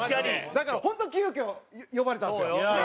だから本当に急遽呼ばれたんですよ。